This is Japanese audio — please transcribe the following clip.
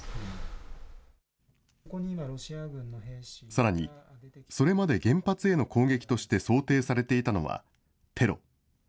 さらに、それまで原発への攻撃として想定されていたのは、テロ。